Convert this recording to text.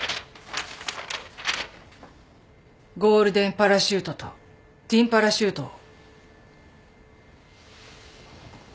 ゴールデンパラシュートとティンパラシュートを。